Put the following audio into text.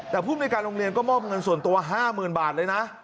แต่ภูมิในการโรงเรียนก็มอบเงินส่วนตัว๕๐๐๐บาทเลยนะ